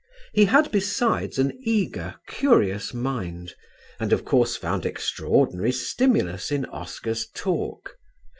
He had besides an eager, curious mind, and of course found extraordinary stimulus in Oscar's talk.